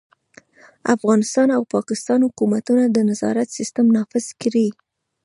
افغانستان او پاکستان حکومتونه د نظارت سیستم نافذ کړي.